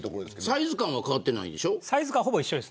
サイズ感は変わっていないんでしょう。